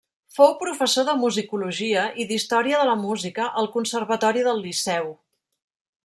Fou professor de musicologia i d'història de la música, al Conservatori del Liceu.